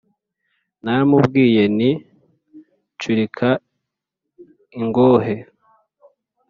naramubwiye nti :« curika ingohe »;